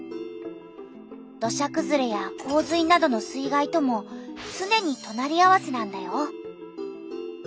土砂くずれや洪水などの水害ともつねにとなり合わせなんだよ。